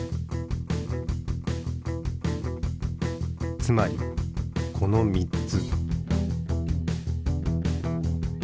つまりこの３つ。